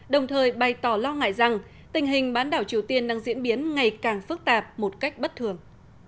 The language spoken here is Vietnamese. đồng thời bày tỏ lo ngại rằng tình hình bán đảo triều tiên đang diễn biến ngày càng phức tạp một cách bất thường